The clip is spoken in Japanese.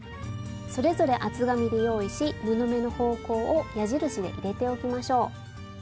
それぞれ厚紙で用意し布目の方向を矢印で入れておきましょう。